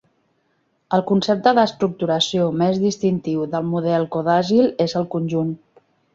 El concepte d'estructuració més distintiu del model Codasyl és el conjunt.